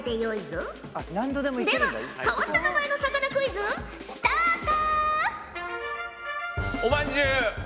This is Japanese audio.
では変わった名前の魚クイズスタート！